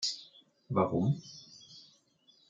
Warum?